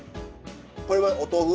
これはお豆腐？